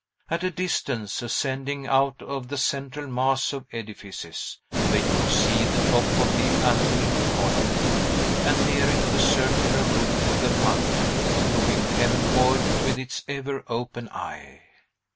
At a distance, ascending out of the central mass of edifices, they could see the top of the Antonine column, and near it the circular roof of the Pantheon looking heavenward with its ever open eye.